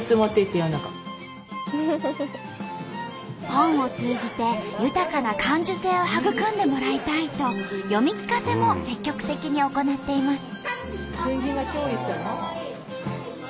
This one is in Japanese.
本を通じて豊かな感受性を育んでもらいたいと読み聞かせも積極的に行っています。